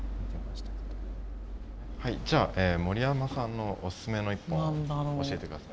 はいじゃあ森山さんのおすすめの１本を教えて下さい。